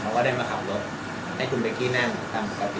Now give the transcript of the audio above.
ก็ได้มาขับรถให้คุณไปที่นั่งตามปกติ